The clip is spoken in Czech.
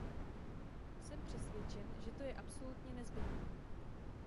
Jsem přesvědčen, že to je absolutně nezbytné.